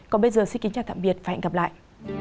còn bây giờ xin kính chào và hẹn gặp lại